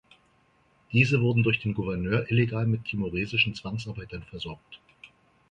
Diese wurden durch den Gouverneur illegal mit timoresischen Zwangsarbeitern versorgt.